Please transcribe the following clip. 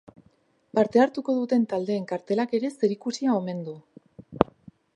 Parte hartuko duten taldeen kartelak ere zerikusia omen du.